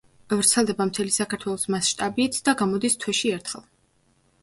ვრცელდება მთელი საქართველოს მასშტაბით და გამოდის თვეში ერთხელ.